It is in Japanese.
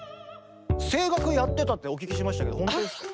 声楽やってたってお聞きしましたけどほんとですか？